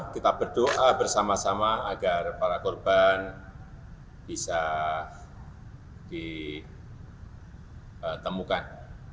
kita berdoa bersama sama agar para korban bisa ditemukan